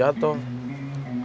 ustadz sepuh sampe jatoh